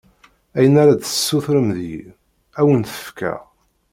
Ayen ara d-tessutrem deg-i, ad wen-t-fkeɣ.